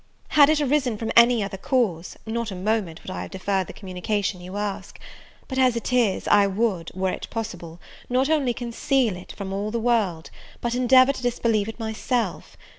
Had it arisen from any other cause, not a moment would I have deferred the communication you ask; but as it is, I would, were it possible, not only conceal it from all the world, but endeavour to disbelieve it myself.